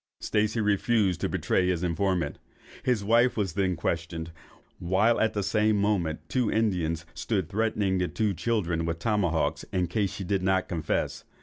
Stacey refused to betray his informant. His wife was then questioned, while at the same moment two Indians stood threatening the two children with tomahawks in case she did not confess.